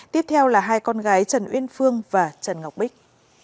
tiếp theo là hai con gái trần uyên phương và trần ngọc bích